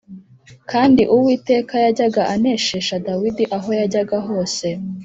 kandi Uwiteka yajyaga aneshesha Dawidi aho yajyaga hose.